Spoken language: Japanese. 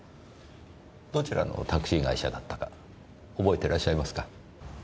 どちらのタクシー会社だったか覚えてらっしゃいますか？